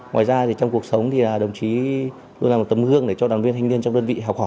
ngoài ra thì trong cuộc sống thì đồng chí luôn là một tấm hương để cho đàn viên thanh niên trong đơn vị học hỏi